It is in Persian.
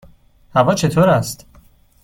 هوا چطور است؟